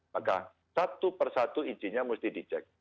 maka satu persatu izinnya mesti di check